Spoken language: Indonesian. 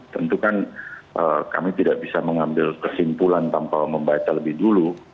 tentu kan kami tidak bisa mengambil kesimpulan tanpa membaca lebih dulu